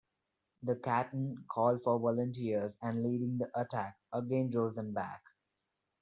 The captain called for volunteers, and leading the attack, again drove them back.